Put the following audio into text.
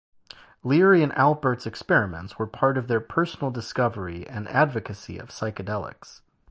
Leary and Alpert's experiments were part of their personal discovery and advocacy of psychedelics.